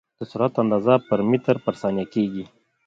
د سرعت اندازه په متر پر ثانیه کېږي.